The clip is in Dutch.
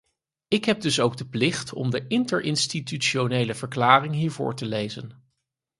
Ik heb dus ook de plicht om de interinstitutionele verklaring hier voor te lezen.